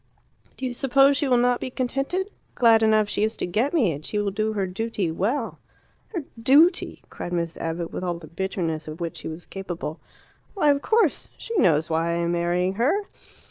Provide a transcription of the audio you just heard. Do you suppose she will not be contented? Glad enough she is to get me, and she will do her duty well." "Her duty!" cried Miss Abbott, with all the bitterness of which she was capable. "Why, of course. She knows why I am marrying her."